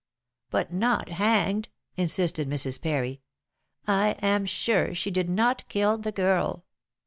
"But not hanged," insisted Mrs. Parry. "I am sure she did not kill the girl.